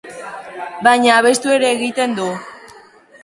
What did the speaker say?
Baina abestu ere egiten du.